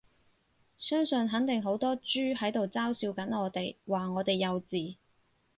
相信肯定好多豬喺度嘲笑緊我哋，話我哋幼稚